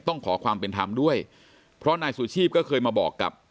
ต้องขอความเป็นธรรมด้วยเพราะนายสุชีพก็เคยมาบอกกับ